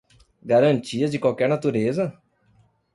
Garantias de qualquer natureza?